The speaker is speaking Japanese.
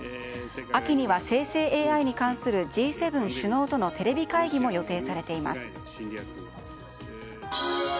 秋には生成ＡＩに関するＧ７首脳とのテレビ会議も予定されています。